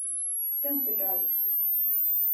Den ser bra ut.